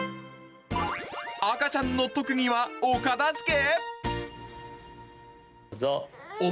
赤ちゃんの特技はお片づけ？